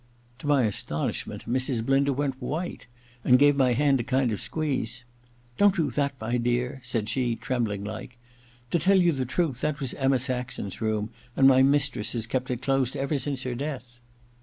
To my astonishment, Mrs. Blinder went white and gave my hand a kind of squeeze. * Don't do that, my dear,' said she, trembling like. • To tell you the truth, that was Emma Saxon's room, and my mistress has kept it closed ever since her death.'